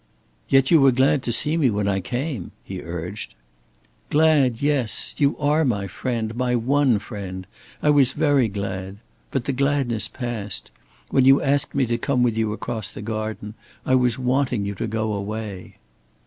"Yet you were glad to see me when I came," he urged. "Glad, yes! You are my friend, my one friend. I was very glad. But the gladness passed. When you asked me to come with you across the garden, I was wanting you to go away."